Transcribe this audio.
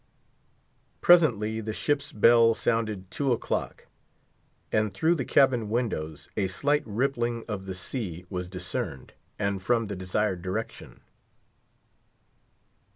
Presently the ship's bell sounded two o'clock; and through the cabin windows a slight rippling of the sea was discerned; and from the desired direction.